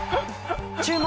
注目！